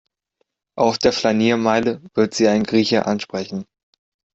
Auf der Flaniermeile wird Sie ein Grieche ansprechen.